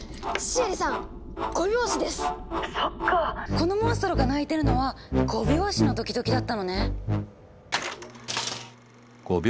このモンストロが鳴いてるのは５拍子のドキドキだったのね。